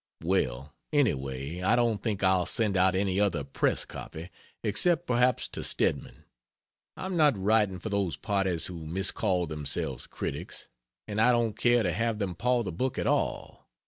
Well, anyway I don't think I'll send out any other press copy except perhaps to Stedman. I'm not writing for those parties who miscall themselves critics, and I don't care to have them paw the book at all.